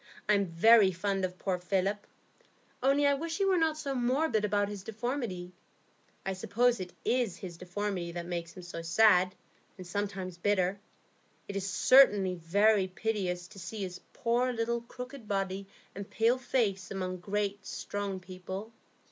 I'm very fond of poor Philip, only I wish he were not so morbid about his deformity. I suppose it is his deformity that makes him so sad, and sometimes bitter. It is certainly very piteous to see his poor little crooked body and pale face among great, strong people."